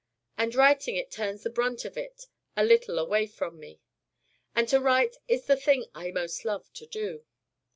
And writing it turns the brunt of it a little away from me. And to write is the thing I most love to do.